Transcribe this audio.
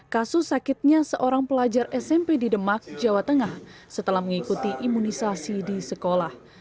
kasus sakitnya seorang pelajar smp di demak jawa tengah setelah mengikuti imunisasi di sekolah